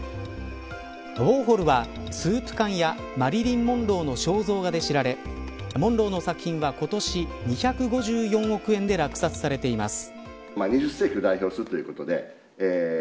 ウォーホルはスープ缶やマリリン・モンローの肖像画で知られモンローの作品は今年２５４億円で落札されています。